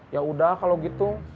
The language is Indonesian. yaudah kalau gitu